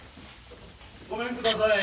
・ごめんください。